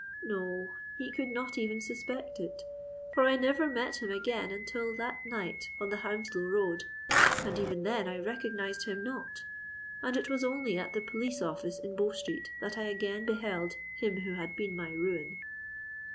"No—he could not even suspect it—for I never met him again until that night on the Hounslow road—and even then I recognised him not—and it was only at the police office in Bow Street that I again beheld him who had been my ruin!"